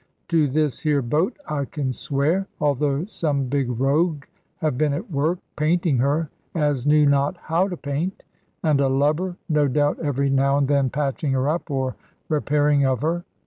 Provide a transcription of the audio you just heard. To this here boat I can swear, although some big rogue have been at work, painting her, as knew not how to paint; and a lubber, no doubt, every now and then patching her up, or repairing of her.